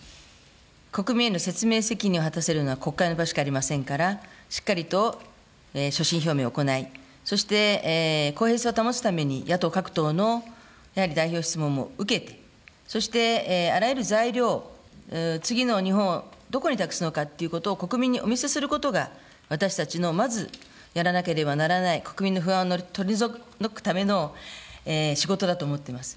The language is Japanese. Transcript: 国民への説明責任を果たせるのは国会の場しかありませんから、しっかりと所信表明を行い、そして公平性を保つために、野党各党のやはり代表質問も受けて、そしてあらゆる材料、次の日本をどこに託すのかということを、国民にお見せすることが、私たちのまずやらなければならない、国民の不安を取り除くための仕事だと思っております。